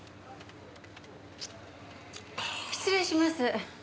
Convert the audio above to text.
失礼します。